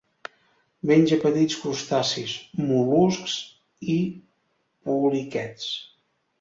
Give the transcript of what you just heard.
Menja petits crustacis, mol·luscs i poliquets.